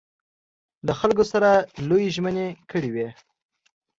له خلکو سره لویې ژمنې کړې وې.